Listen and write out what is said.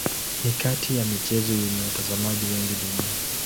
Ni kati ya michezo yenye watazamaji wengi duniani.